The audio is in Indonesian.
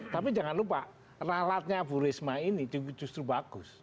tapi jangan lupa ralatnya bu risma ini justru bagus